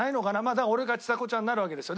だから俺かちさ子ちゃんになるわけですよ。